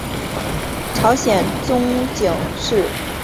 朝鲜景宗的陵墓懿陵位于本区的石串洞。